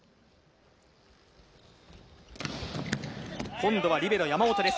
今度はリベロ、山本です。